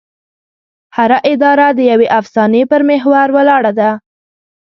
هره اداره د یوې افسانې پر محور ولاړه ده.